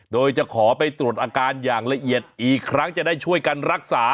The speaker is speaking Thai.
โดยจะขอไปตรวจอาการอย่างละเอียดอีกครั้งจะได้ช่วยกันรักษา